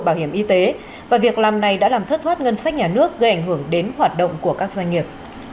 bảo hiểm y tế và việc làm này đã làm thất thoát ngân sách nhà nước gây ảnh hưởng đến hoạt động của các doanh nghiệp